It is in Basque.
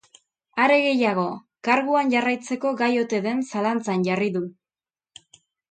Are gehiago, karguan jarraitzeko gai ote den zalantzan jarri du.